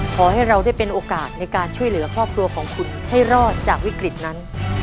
ขอให้เราได้เป็นโอกาสในการช่วยเหลือครอบครัวของคุณให้รอดจากวิกฤตนั้น